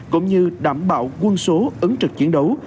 cũng như đảm bảo quân số ứng trực chiến đấu